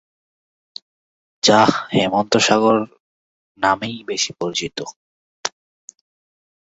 যা "হেমন্ত সাগর" নামেই বেশি পরিচিত।